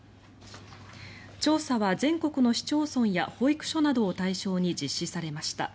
調査は全国の市町村や保育所などを対象に実施されました。